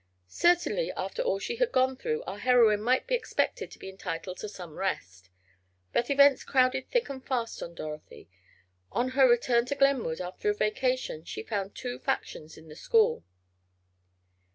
Certainly, after all she had gone through, our heroine might be expected to be entitled to some rest. But events crowded thick and fast on Dorothy. On her return to Glenwood, after a vacation, she found two factions in the school.